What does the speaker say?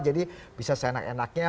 jadi bisa seenak enaknya